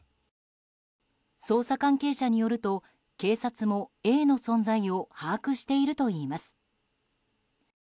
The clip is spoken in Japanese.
捜査関係者によると警察もＡの存在を把握しているといいます。